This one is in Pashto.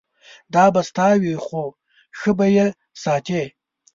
دا به ستا وي خو ښه به یې ساتې.